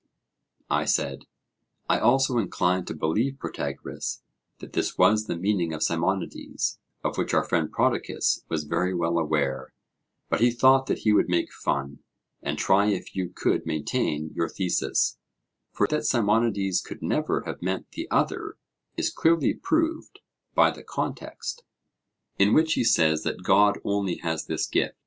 I said: I also incline to believe, Protagoras, that this was the meaning of Simonides, of which our friend Prodicus was very well aware, but he thought that he would make fun, and try if you could maintain your thesis; for that Simonides could never have meant the other is clearly proved by the context, in which he says that God only has this gift.